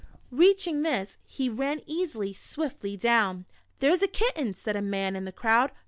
Reaching this, he ran easily, swiftly down. " There 's a kitten," said a man in the crowd.